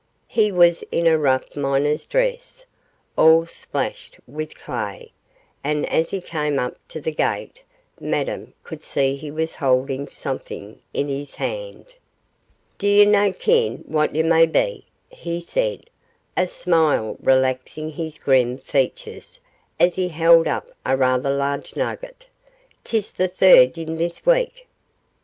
He was in a rough miner's dress, all splashed with clay, and as he came up to the gate Madame could see he was holding something in his hand. 'D'ye no ken what yon may be?' he said, a smile relaxing his grim features as he held up a rather large nugget; ''tis the third yin this week!